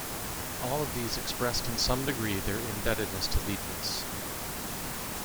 All of these expressed in some degree their indebtedness to Leibniz.